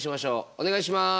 お願いします。